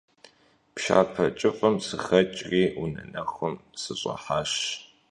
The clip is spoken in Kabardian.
Пшапэ кӀыфӀым сыхэкӀри унэ нэхум сыщӀыхьащ.